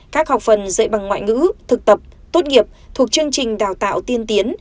các học phần dạy bằng ngoại ngữ thực tập tốt nghiệp thuộc chương trình đào tạo tiên tiến